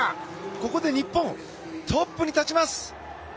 ここで日本、トップに立ちます。